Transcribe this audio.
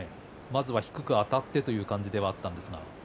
まずは低くあたってという感じではあったんですが。